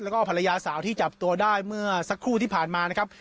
แล้วก็ภรรยาสาวที่จับตัวได้เมื่อสักครู่ที่ผ่านมานะครับ